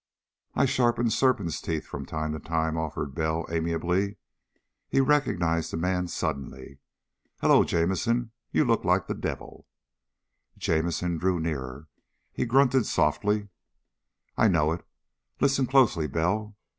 "I sharpen serpents' teeth from time to time," offered Bell amiably. He recognized the man, suddenly. "Hullo, Jamison, you look like the devil." Jamison drew nearer. He grunted softly. "I know it. Listen closely, Bell.